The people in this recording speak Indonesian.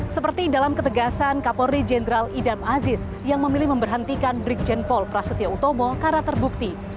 seperti dalam ketegasan kapolri jenderal idam aziz yang memilih memberhentikan brigjen paul prasetya utomo karena terbukti